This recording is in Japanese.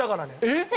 えっ！